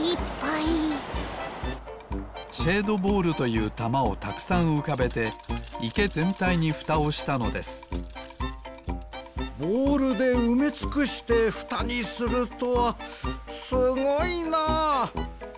シェードボールというたまをたくさんうかべていけぜんたいにふたをしたのですボールでうめつくしてふたにするとはすごいな！